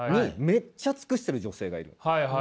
めっちゃ尽くしてる女性がいる。